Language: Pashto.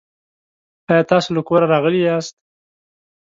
آیا تاسو له کوره راغلي یاست؟